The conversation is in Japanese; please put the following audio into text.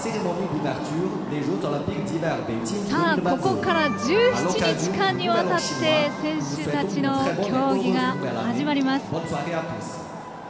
ここから１７日間にわたって選手たちの競技が始まります。